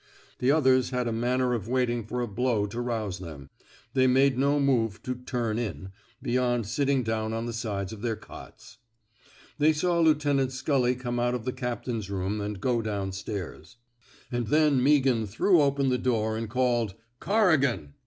The others had a manner of waiting for a blow to rouse them; they made no move to turn in,*' beyond sitting down on the sides of their cots. They saw Lieutenant Scully come out of the captain's room and go down stairs. And then Meaghan threw open his door and called Corrigan